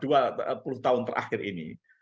dua puluh tahun terakhir ini